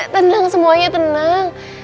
tenang semuanya tenang